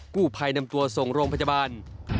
กู้ภัยนำตัวส่งโรงพยาบาล